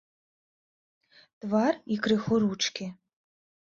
Твар і крыху ручкі.